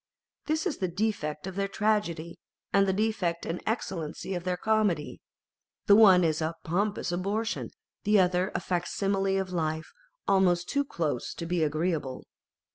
This is the defect of their tragedy, and the defect and excellence of their comedy ; the one is a pompous abortion, the other a fac simile of life, almost too close to be agreeable.